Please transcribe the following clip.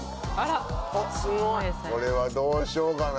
これはどうしようかな？